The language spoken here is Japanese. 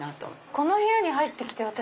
この部屋に入って来て私